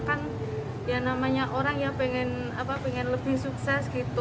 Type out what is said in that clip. kan ya namanya orang yang pengen lebih sukses gitu